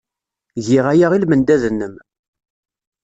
Giɣ aya i lmendad-nnem.